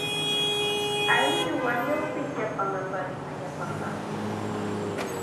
Ayllu wañukpi chapanka rin aya panpapi.